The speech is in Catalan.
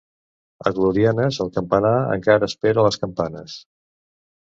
A Glorianes, el campanar encara espera les campanes.